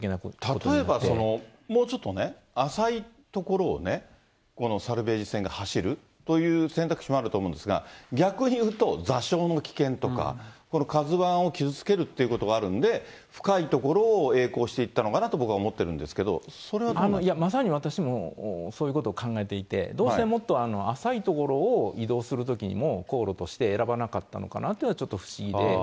例えばもうちょっとね、浅い所をね、このサルベージ船が走るという選択肢もあると思うんですが、逆にいうと、座礁の危険とか、今度ＫＡＺＵＩを傷つけるということがあるんで、深い所をえい航していったのかなと僕は思ってるんですけど、それまさに私もそういうことを考えていて、どうしてもっと浅い所を移動するときにも航路として選ばなかったのかなというのはちょっと不思議で。